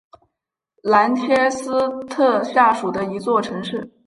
兰切斯特下属的一座城市。